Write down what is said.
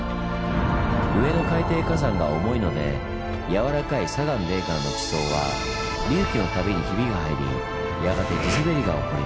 上の海底火山が重いのでやわらかい砂岩泥岩の地層は隆起の度にひびが入りやがて地すべりが起こります。